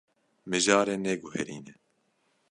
Mijarê neguherîne.